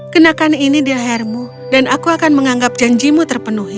kenakan ini di lehermu dan aku akan menganggap janjimu terpenuhi